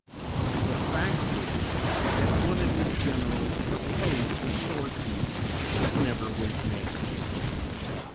The fact is that one of his generals proposed a sortie that never was made.